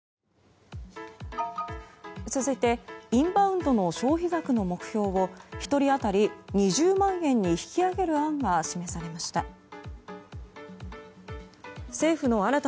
続いてインバウンドの消費額の目標を１人当たり２０万円に引き上げる案が示されました。